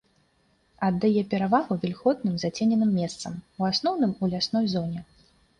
Аддае перавагу вільготным зацененым месцам, у асноўным у лясной зоне.